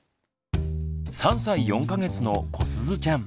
３歳４か月のこすずちゃん。